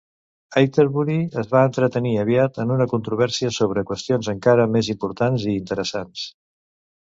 Atterbury es va entretenir aviat en una controvèrsia sobre qüestions encara més importants i interessants.